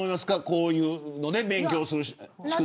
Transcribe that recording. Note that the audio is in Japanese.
こういうので勉強するのを。